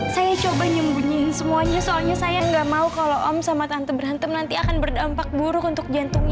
saya coba nyembunyiin semuanya soalnya saya nggak mau kalau om sama tante berantem nanti akan berdampak buruk untuk jantungnya